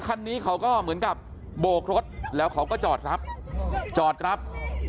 คันนี้เขาเหมือนกับโบกรถแล้วเขาก็จอดรับ